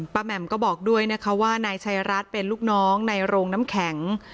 แหม่มก็บอกด้วยนะคะว่านายชัยรัฐเป็นลูกน้องในโรงน้ำแข็ง